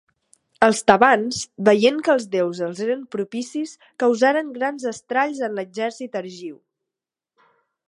Els tebans, veient que els déus els eren propicis, causaren grans estralls en l'exèrcit argiu.